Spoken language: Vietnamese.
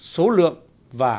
số lượng và